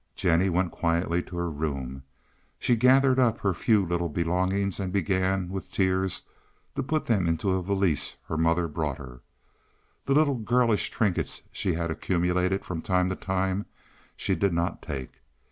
Jennie went quietly to her room. She gathered up her few little belongings and began, with tears, to put them into a valise her mother brought her. The little girlish trinkets that she had accumulated from time to time she did not take.